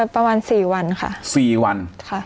ประมาณ๔วันค่ะ๔วันค่ะ